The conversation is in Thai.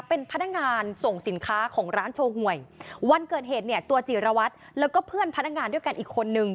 เป็นพนักงานส่งสินค้าของร้านโชว์หวยวันเกิดเหตุเนี่ยตัวจิรวัตรแล้วก็เพื่อนพนักงานด้วยกันอีกคนนึง